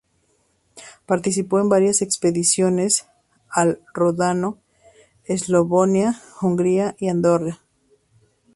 Participó en varias expediciones al Ródano, Eslavonia, Hungría y Andorra.